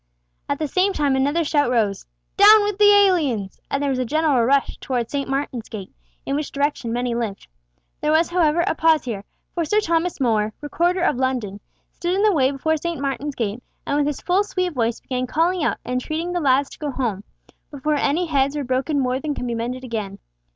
At the same time another shout rose, "Down with the aliens!" and there was a general rush towards St. Martin's gate, in which direction many lived. There was, however, a pause here, for Sir Thomas More, Recorder of London, stood in the way before St. Martin's gate, and with his full sweet voice began calling out and entreating the lads to go home, before any heads were broken more than could be mended again.